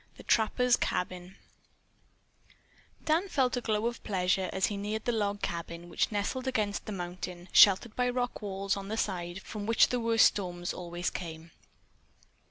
THE TRAPPER'S CABIN Dan felt a glow of pleasure as he neared the log cabin which nestled against the mountain, sheltered by rock walls on the side from which the worst storms always came.